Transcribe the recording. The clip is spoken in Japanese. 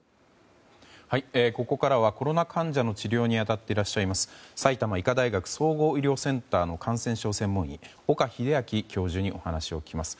ここからはコロナ患者の治療に当たっていらっしゃいます埼玉医科大学総合医療センターの感染症専門医岡秀昭教授にお話を聞きます。